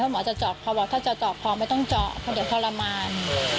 หมอจะเจาะพอบอกถ้าจะเจาะคอไม่ต้องเจาะเพราะเดี๋ยวทรมาน